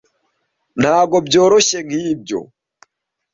Ntabwo byoroshye nkibyo.